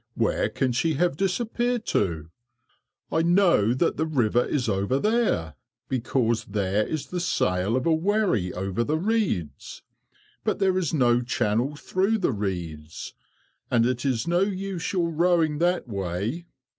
Where can she have disappeared to? I know that the river is over there, because there is the sail of a wherry over the reeds, but there is no channel through the reeds, and it is no use your rowing that way.